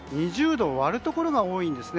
２０度を割るところが多いです。